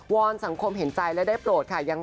อนสังคมเห็นใจและได้โปรดค่ะ